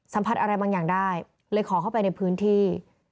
สัมผัสอะไรบางอย่างได้เลยขอเข้าไปในพื้นที่